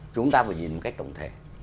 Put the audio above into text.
chúng ta phải nhìn một cách tổng thể